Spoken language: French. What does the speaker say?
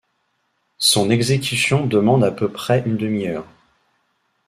Son exécution demande à peu près une demi-heure.